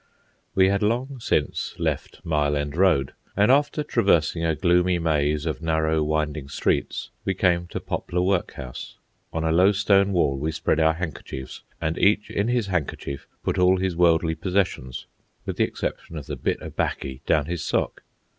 We had long since left Mile End Road, and after traversing a gloomy maze of narrow, winding streets, we came to Poplar Workhouse. On a low stone wall we spread our handkerchiefs, and each in his handkerchief put all his worldly possessions, with the exception of the "bit o' baccy" down his sock.